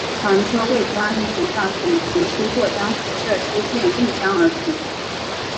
传说为观音菩萨阻群狮过江所射之箭入江而成。